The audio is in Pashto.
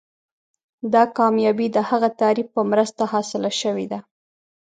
دا کامیابي د هغه تعریف په مرسته حاصله شوې ده.